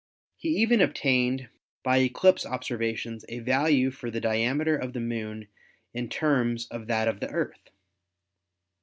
He even obtained by eclipse ob servations a value for the diameter of the Moon in terms of that of the Earth.